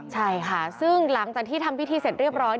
ใช่ค่ะซึ่งหลังจากที่ทำพิธีเสร็จเรียบร้อย